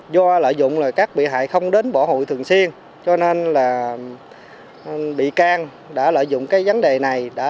do lợi dụng là các bị hại không đến bỏ hụi thường xuyên cho nên là bị can đã lợi dụng cái vấn đề này